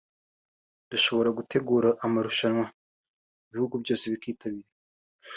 dushobora gutegura amarushanwa ibihugu byose bikitabira